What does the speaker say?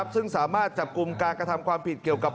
ซึ่งสามารถจับกลุ่มการกระทำความผิดเกี่ยวกับ